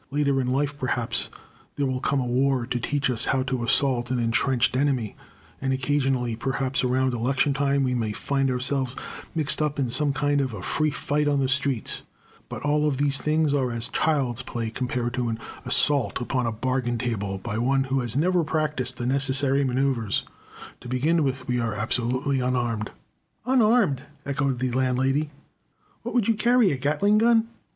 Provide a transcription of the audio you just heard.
Later in life, perhaps, there will come a war to teach us how to assault an entrenched enemy, and occasionally, perhaps around election time, we may find ourselves mixed up in some kind of a free fight on the streets, but all of these things are as child's play compared to an assault upon a bargain table by one who has never practiced the necessary maneuvers. To begin with we are absolutely unarmed." "Unarmed?" echoed the Landlady. "What would you carry, a Gatling gun?"